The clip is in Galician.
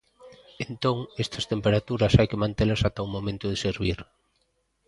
Entón estas temperaturas hai que mantelas ata o momento de servir.